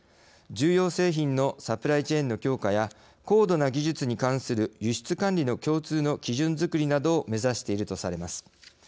重要製品のサプライチェーンの強化や高度な技術に関する輸出管理の共通の基準づくりなどを目指しているとされます。